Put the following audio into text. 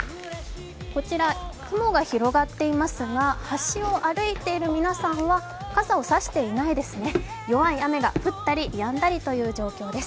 こちら、雲が広がっていますが橋を歩いている皆さんは傘を差していないですね、弱い雨が降ったりやんだりという状況です。